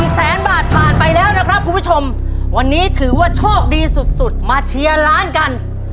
แสนบาทผ่านไปแล้วนะครับคุณผู้ชมวันนี้ถือว่าโชคดีสุดมาเชียร์ล้านกัน